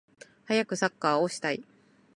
はやくサッカーをしたい